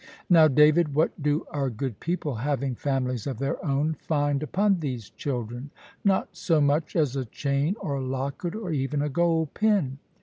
Now, David, what do our good people, having families of their own, find upon these children? Not so much as a chain, or locket, or even a gold pin.